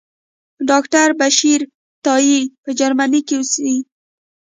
ډاکټر بشیر تائي په جرمني کې اوسي.